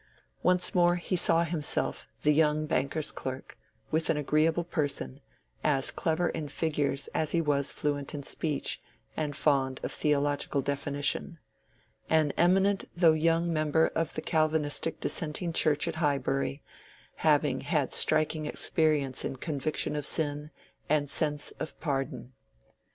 Once more he saw himself the young banker's clerk, with an agreeable person, as clever in figures as he was fluent in speech and fond of theological definition: an eminent though young member of a Calvinistic dissenting church at Highbury, having had striking experience in conviction of sin and sense of pardon.